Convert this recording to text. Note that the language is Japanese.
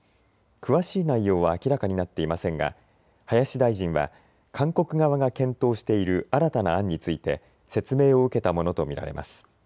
詳しい内容は明らかになっていませんが林大臣は韓国側が検討している新たな案について説明を受けたものと見られます。